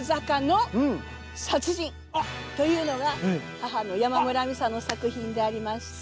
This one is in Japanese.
というのが母の山村美紗の作品でありまして。